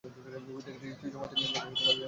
ভেবে দেখেছিস তুই সমস্ত নিয়ম ভেঙে ফেলছিস?